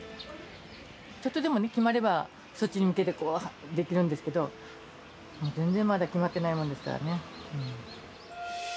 ちょっとでも決まれば、そっちに向けてできるんですけれど、全然まだ決まってないもんですからね。